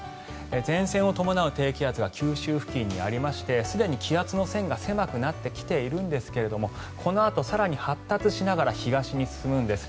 前線を伴う低気圧が九州付近にありましてすでに気圧の線が狭くなってきているんですがこのあと、更に発達しながら東に進むんです。